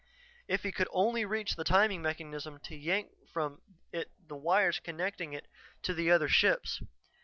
If he could only reach the timing mechanism to yank from it the wires connecting it to the other ships.